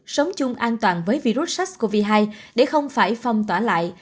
sống chung an toàn với virus sars cov hai để không phải phong tỏa lại